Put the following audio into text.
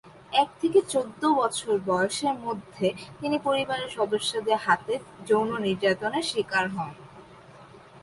এক থেকে চৌদ্দ বছর বয়সের মধ্যে তিনি পরিবারের সদস্যদের হাতে যৌন নির্যাতনের শিকার হন।